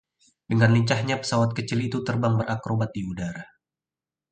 dengan lincahnya pesawat kecil itu terbang berakrobat di udara